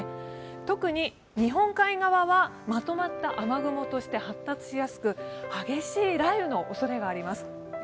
特に日本海側はまとまった雨雲として発達しやすく激しい雷雨のおそれがあります。